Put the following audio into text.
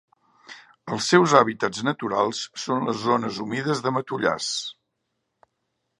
Els seus hàbitats naturals són les zones humides de matollars.